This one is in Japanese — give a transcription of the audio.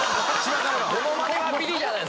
モノマネはビリじゃないですか。